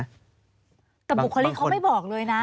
แต่บุคลิกเขาไม่บอกเลยนะ